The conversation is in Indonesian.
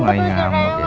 kau lagi ngambek